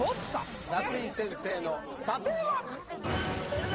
夏井先生の査定は⁉先生！